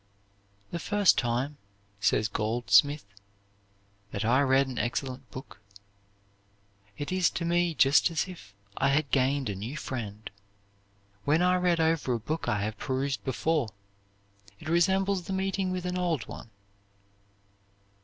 "The first time," says Goldsmith, "that I read an excellent book, it is to me just as if I had gained a new friend; when I read over a book I have perused before, it resembles the meeting with an old one."